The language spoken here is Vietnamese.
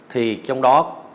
thì trong đó